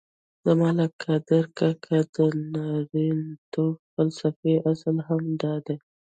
د ملک قادر کاکا د نارینتوب فلسفې اصل هم دادی.